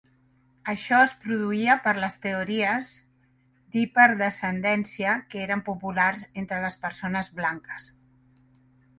Això es produïa per les teories d'hiperdescendència que eren populars entre les persones blanques.